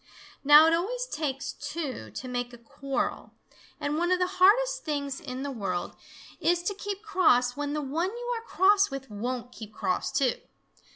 Now it always takes two to make a quarrel, and one of the hardest things in the world is to keep cross when the one you are cross with won't keep cross, too.